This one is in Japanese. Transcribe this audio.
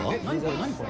何これ？